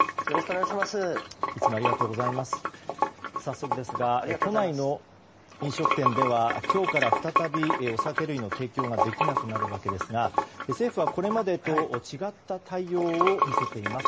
早速ですが都内の飲食店では今日から再びお酒類の提供ができなくなるわけですが政府は、これまでと違った対応を見せています。